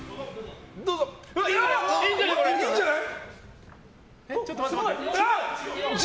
いいんじゃない？